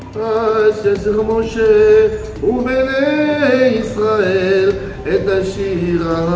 di tondanu sulawesi utara inilah